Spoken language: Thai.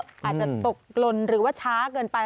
อาจจะตกกลนหรือว่าช้าเกินไป